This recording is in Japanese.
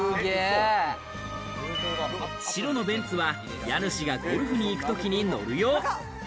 白のベンツは家主がゴルフに行くときに乗る用。